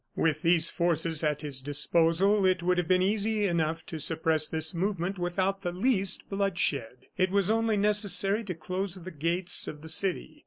With these forces at his disposal it would have been easy enough to suppress this movement without the least bloodshed. It was only necessary to close the gates of the city.